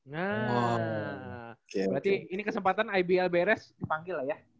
nah berarti ini kesempatan ibl beres dipanggil lah ya